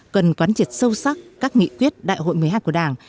cần quán triệt sâu sắc các nghị quyết đại hội một mươi hai của đảng